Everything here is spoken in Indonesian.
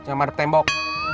jangan mandep tembok